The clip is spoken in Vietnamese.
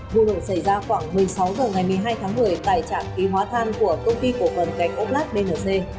vụ nổ xảy ra khoảng một mươi sáu h ngày một mươi hai tháng một mươi tại trạm ký hóa than của công ty cổ phần gạch ốc lát bnc